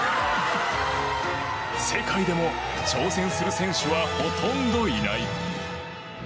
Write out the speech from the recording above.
世界でも挑戦する選手はほとんどいない。